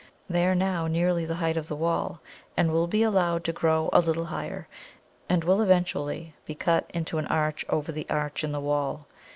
They are now nearly the height of the wall, and will be allowed to grow a little higher, and will eventually be cut into an arch over the arch in the wall.